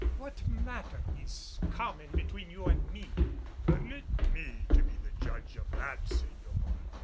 "What matter is common between you and me?" "Permit me to be the judge of that, señor.